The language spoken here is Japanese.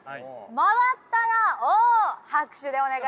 回ったら「お」拍手でお願いします。